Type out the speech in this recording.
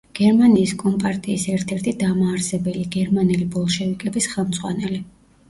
გერმანიის კომპარტიის ერთ-ერთი დამაარსებელი, გერმანელი ბოლშევიკების ხელმძღვანელი.